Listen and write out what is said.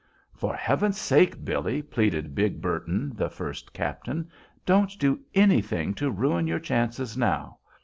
"For heaven's sake, Billy," pleaded big Burton, the first captain, "don't do any thing to ruin your chances now!